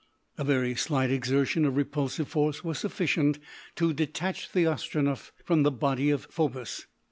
A very slight exertion of repulsive force was sufficient to detach the Astronef from the body of Phobos.